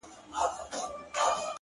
نور به خبري نه کومه، نور به چوپ اوسېږم،